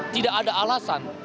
tidak ada alasan